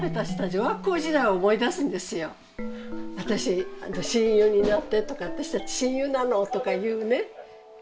「親友になって」とか「私たち親友なの」とかいうね。